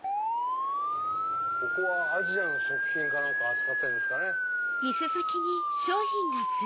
ここはアジアの食品か何かを扱ってんですかね。